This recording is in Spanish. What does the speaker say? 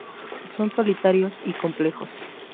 Son solitarios y con complejos.